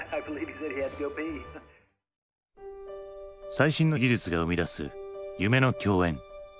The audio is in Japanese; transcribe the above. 最新の技術が生み出す夢の共演。